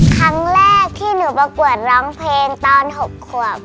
ครั้งแรกที่หนูประกวดร้องเพลงตอน๖ขวบ